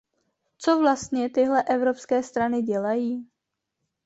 Co vlastně tyhle evropské strany dělají?